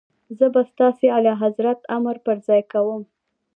زه به ستاسي اعلیحضرت امر پر ځای کوم.